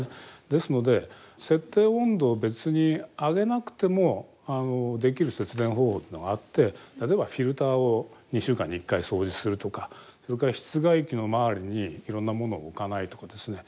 ですので設定温度を別に上げなくてもできる節電方法っていうのがあって例えばフィルターを２週間に１回掃除するとかそれから室外機の周りにいろんなものを置かないとかですね。